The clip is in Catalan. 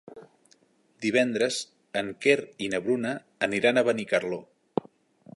Divendres en Quer i na Bruna aniran a Benicarló.